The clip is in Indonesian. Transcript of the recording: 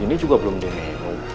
ini juga belum di nemo